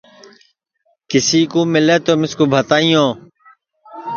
کسی کُو مِلے تومِسکُو بھتائیو